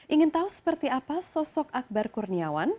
ingin tahu seperti apa sosok akbar kurniawan